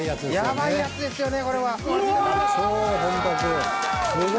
やばいやつですよね。